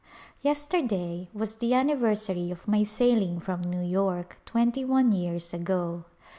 Yesterday was the anniversary of my sailing from New York twenty one years ago.